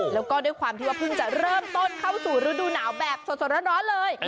แล้วก็ด้วยความที่ว่าเพิ่งจะเริ่มต้นเข้าสู่ฤดูหนาวแบบสดร้อนเลย